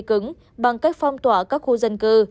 cứng bằng cách phong tỏa các khu dân cư